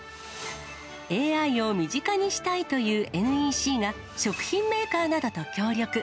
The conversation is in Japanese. ＡＩを身近にしたいというＮＥＣが食品メーカーなどと協力。